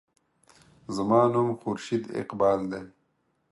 زما نوم خورشید اقبال دے.